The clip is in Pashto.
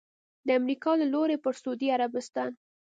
د امریکا له لوري پر سعودي عربستان